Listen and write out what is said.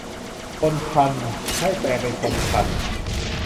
คนธรรพให้แปลงเป็นคนธรรพ์